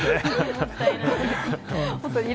もったいない。